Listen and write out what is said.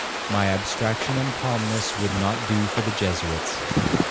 My abstraction and calmness would not do for the Jesuits.